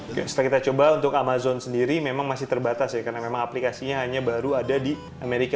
oke setelah kita coba untuk amazon sendiri memang masih terbatas ya karena memang aplikasinya hanya baru ada di amerika